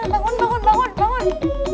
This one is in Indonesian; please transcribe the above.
bangun bangun bangun